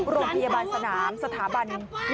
โรงพยาบาลสนามสถาบัน